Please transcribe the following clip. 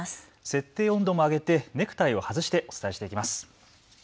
設定温度も上げてネクタイを外してお伝えしていきます。